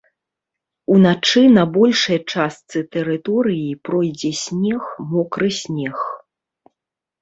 Уначы на большай частцы тэрыторыі пройдзе снег, мокры снег.